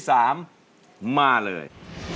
สามมาเลย